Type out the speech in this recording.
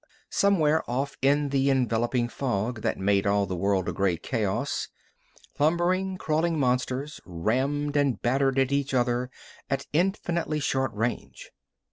Somewhere off in the enveloping fog that made all the world a gray chaos, lumbering, crawling monsters rammed and battered at each other at infinitely short range.